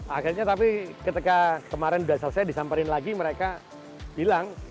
akhirnya tapi ketika kemarin sudah selesai disamperin lagi mereka bilang